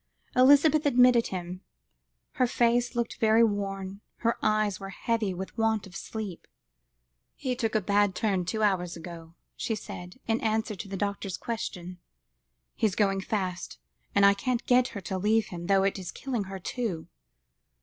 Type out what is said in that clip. Elizabeth admitted him; her face looked very worn, her eyes were heavy with want of sleep. "He took a bad turn two hours ago," she said, in answer to the doctor's question; "he's going fast, and I can't get her to leave him, though it is killing her, too."